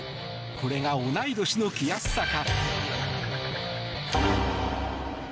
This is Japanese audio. これが同い年の気安さか。